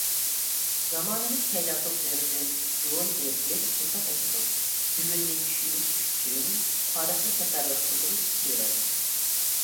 زامانىمىز پەيلاسوپلىرىدىن جون بېرگېر شۇنداق ئېيتىدۇ: «بۈگۈننى چۈشىنىش ئۈچۈن تارىخنى سەپەرۋەر قىلدۇرۇش كېرەك».